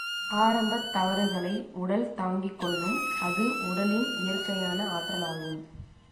ஆரம்பத் தவறுகளை உடல் தாங்கிக் கொள்ளும் அது உடலின் இயற்கையான ஆற்றலாகும்.